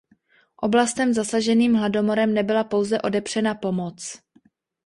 Oblastem zasaženým hladomorem nebyla pouze odepřena pomoc.